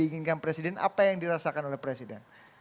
diinginkan presiden apa yang dirasakan oleh presiden